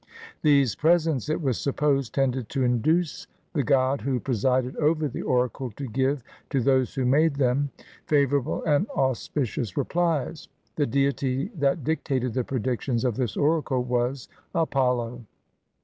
These presents, it was supposed, tended to induce the god who presided over the oracle to give to those who made them favorable and auspicious replies. The deity that dictated the predictions of this oracle was Apollo.